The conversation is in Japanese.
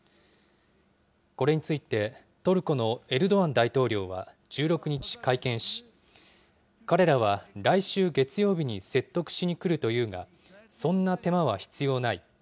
これについて、トルコのエルドアン大統領は１６日、会見し、彼らは来週月曜日に説得しにくるというが、そんな手間は必要ない。